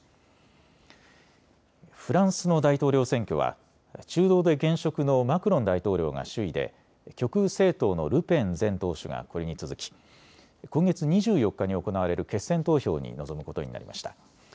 フランスの大統領選挙は中道で現職のマクロン大統領が首位で極右政党のルペン前党首がこれに続き、今月２４日に行われる決選投票に臨むことになりました。